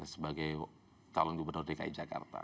sebagai calon gubernur dki jakarta